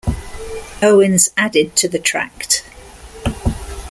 Owens added to the tract.